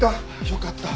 よかった。